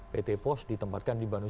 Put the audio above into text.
pt pos ditempatkan di bandung